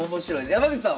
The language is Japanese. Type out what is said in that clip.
山口さんは？